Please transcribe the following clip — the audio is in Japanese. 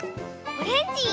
オレンジ。